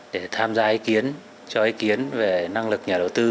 để tham gia ý kiến cho ý kiến về năng lực nhà đầu tư